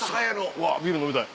うわビール飲みたい。